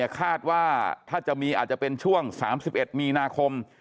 คาดว่าถ้าจะมีอาจจะเป็นช่วง๓๑มีนาคม